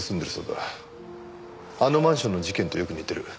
あのマンションの事件とよく似てる。